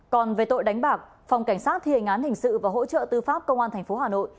còn về tội đánh bạc phòng cảnh sát thi hình án hình sự và hỗ trợ tư pháp công an tp hà nội